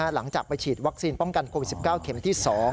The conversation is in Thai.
หลังจากไปฉีดวัคซีนป้องกันโควิด๑๙เข็มที่๒